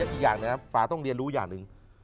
อีกอย่างนะครับฟ้าต้องเรียนรู้อย่างหนึ่ง